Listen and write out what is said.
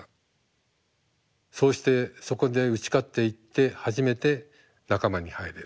そうしてそこで打ち勝っていって初めて仲間に入れる。